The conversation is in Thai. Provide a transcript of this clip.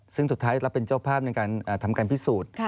ซึ่งสุดท้ายเราเป็นเจ้าภาพในการทำการพิสูจน์